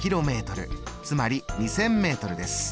つまり２０００ｍです。